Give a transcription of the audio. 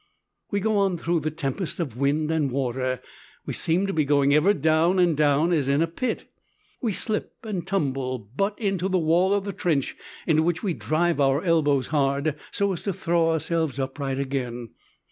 We go on through the tempest of wind and water. We seem to be going ever down and down, as in a pit. We slip and tumble, butt into the wall of the trench, into which we drive our elbows hard, so as to throw ourselves upright again.